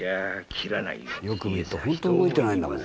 よく見るとほんと動いてないんだもん。